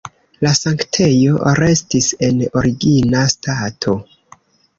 La sanktejo restis en origina stato.